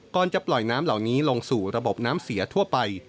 ก่อนจะปล่อยน้ำเหล่านี้ลงสู่ระบบน้ำเสียทั่วไป